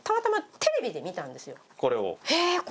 これを。